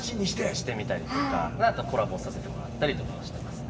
してみたりとかあとコラボさせてもらったりとかはしてますね。